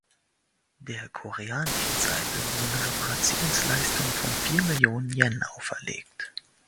Der koreanischen Seite wurden Reparationsleistungen von vier Millionen Yen auferlegt.